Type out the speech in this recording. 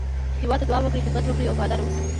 هېواد ته دعا وکړئ، خدمت وکړئ، وفاداره واوسی